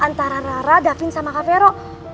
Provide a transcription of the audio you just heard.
antara rara davin sama kak fero